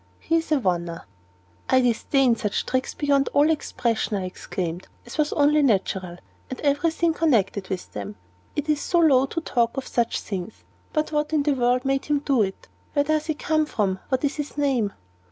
he is a oner!" "I disdain such mean tricks beyond all expression," I exclaimed, as was only natural, "and every thing connected with them. It is so low to talk of such things. But what in the world made him do it? Where does he come from, and what is his name?"